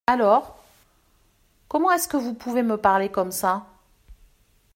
Alors ! Comment est-ce que vous pouvez me parlez comme ça ?